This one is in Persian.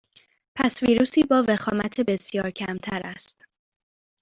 پس ویروسی با وخامت بسیار کمتر است